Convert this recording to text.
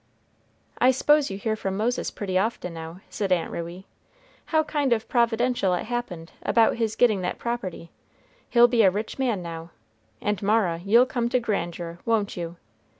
"I s'pose you hear from Moses pretty often now," said Aunt Ruey. "How kind o' providential it happened about his getting that property; he'll be a rich man now; and Mara, you'll come to grandeur, won't you?